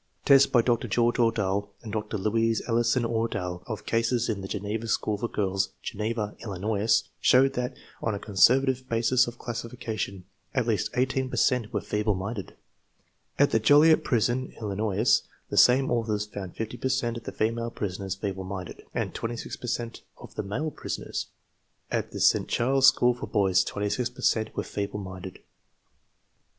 Tests, by Dr. George Ordahl and Dr. Louise Ellison Ordahl, of cases in the Geneva School for Girls, Geneva, Illinois, showed tltat, on a conservative basis of classification, at least 18 |>cr cent were feeble minded. At the Joliet Prison, Illinois, the same authors found 50 per cent of the female prisoners feeble minded, USES OP INTELLIGENCE TESTS 9 and 6 per cent of the male prisoners. At the St. Charles School for Boys 26 per cent were feeble minded.